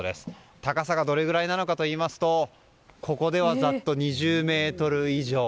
高さがどれくらいかといいますとここでは、ざっと２０ｍ以上。